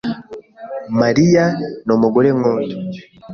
Mariya numugore nkunda.